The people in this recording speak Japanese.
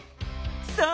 そう。